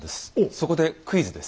そこでクイズです。